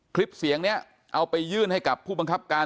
คลิปเสียงนี้เอาไปยื่นให้กับผู้บังคับการ